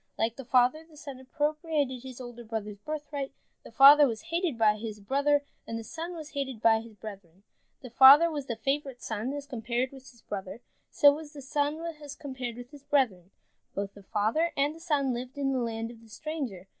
Like the father, the son appropriated his older brother's birthright. The father was hated by his brother, and the son was hated by his brethren. The father was the favorite son as compared with his brother, so was the son as compared with his brethren. Both the father and the son lived in the land of the stranger.